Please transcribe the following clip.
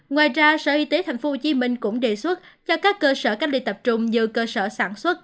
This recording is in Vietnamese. ngoài ra sở y tế tp hcm cũng đề xuất cho các cơ sở cách ly tập trung như cơ sở sản xuất